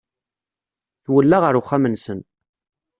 Twella ɣer uxxam-nsen.